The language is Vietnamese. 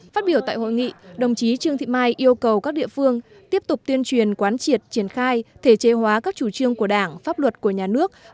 phát biểu tại hội nghị đồng chí trương thị mai yêu cầu các địa phương tiếp tục tuyên truyền quán triệt triển khai thể chế hóa các chủ trương của đảng pháp luật của nhà nước